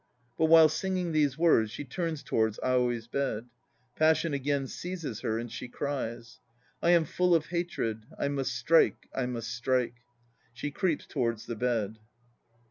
But while singing these words she turns towards AOI'S bed; .passion again seizes her and she cries:) I am full of hatred. I must strike; I must strike. (She creeps towards the bed.)